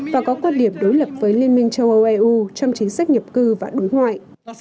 và có quan điểm đối lập với liên minh châu âu eu trong chính sách nhập cư và đối ngoại